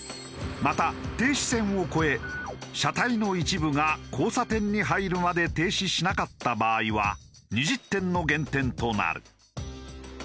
また停止線を超え車体の一部が交差点に入るまで停止しなかった場合は２０点の減点となる。